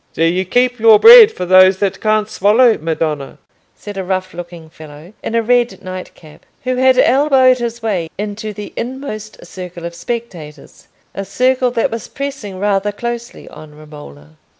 "Do you keep your bread for those that can't swallow, madonna?" said a rough looking fellow, in a red night cap, who had elbowed his way into the inmost circle of spectators—a circle that was pressing rather closely on Romola.